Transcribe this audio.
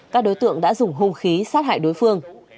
các đối tượng đã dùng hung khí sát hại đối phương